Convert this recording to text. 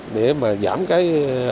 để mà giảm cái